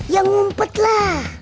ya ngumpet lah